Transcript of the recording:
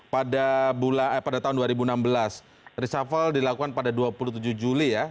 pada tahun dua ribu enam belas reshuffle dilakukan pada dua puluh tujuh juli ya